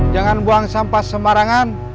jangan buang sampah semarangan